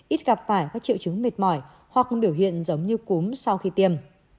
ít gặp phải các triệu chứng mệt mỏi hoặc biểu hiện giống như cúm sau khi tiêm